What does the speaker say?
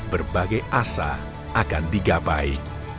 berbagai asa akan digabai